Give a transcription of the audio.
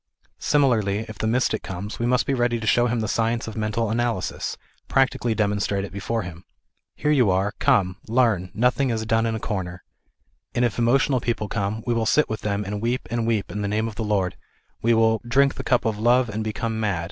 Similarly, if the mystic comes, we must be ready to show him the science of mental analysis, practically demonstrate it before him. Here you are, come, THE IDEAL OF A UNIVERSAL RELIGION. 317 learn, nothing is "done in a corner." And if emotional people come we will sit with them and weep and weep in the name of tlie Lord ; we will " drink the cup of love and become mad."